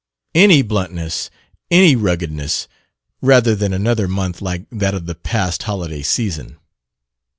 Any bluntness, any ruggedness, rather than another month like that of the past holiday season.